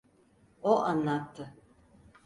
O anlattı…